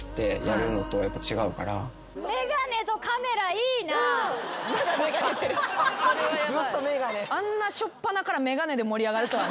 あんな初っぱなから眼鏡で盛り上がるとはね。